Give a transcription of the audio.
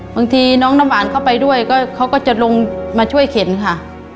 บางทีน้องน้ำหวานเข้าไปด้วยก็เขาก็จะลงมาช่วยเข็นค่ะ